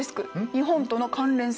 日本との関連性が。